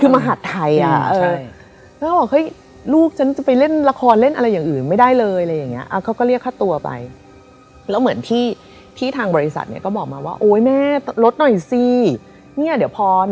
ไมค์แก๊กมากอะไรอย่างเงี้ย